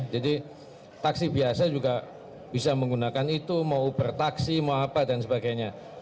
taksi biasa juga bisa menggunakan itu mau bertaksi mau apa dan sebagainya